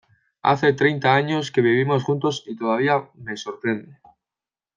Hace treinta años que vivimos juntos y todavía me sorprende.